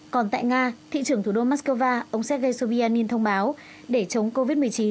còn tại nga thị trưởng thủ đô moscow ông sergei sovianin thông báo để chống covid một mươi chín